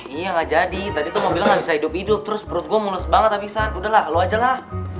iya gak jadi tadi tuh mau bilang gak bisa hidup hidup terus perut gue mulus banget tapi san udahlah lo ajalah